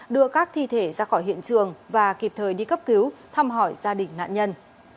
đưa các thi thể ra khỏi hiện trường và kịp thời đi cấp cứu thăm hỏi gia đình nạn nhân